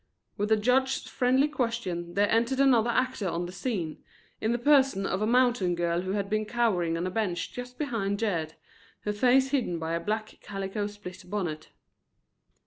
With the judge's friendly question there entered another actor on the scene, in the person of a mountain girl who had been cowering on a bench just behind Jed, her face hidden by a black calico split bonnet.